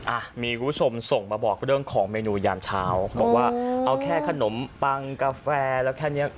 อ่ะมีคุณผู้ชมส่งมาบอกเรื่องของเมนูยามเช้าบอกว่าเอาแค่ขนมปังกาแฟแล้วแค่เนี้ย